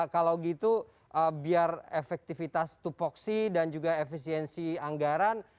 kalau gitu biar efektivitas tupoksi dan juga efisiensi anggaran